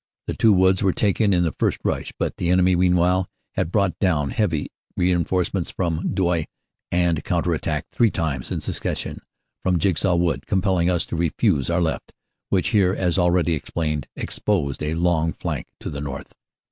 The two woods were taken in the first rush, but the enemy meanwhile had brought down heavy reinforce ments from Douai and counter attacked three times in suc cession from Jigsaw Wood, compelling us to refuse our left, which here, as already explained, exposed a long flank to the north.